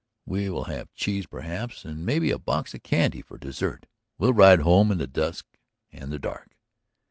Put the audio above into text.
We will have cheese, perhaps, and maybe a box of candy for dessert. We'll ride home in the dusk and the dark."